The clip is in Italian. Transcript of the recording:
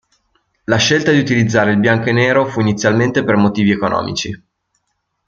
La scelta di utilizzare il bianco e nero fu inizialmente per motivi economici.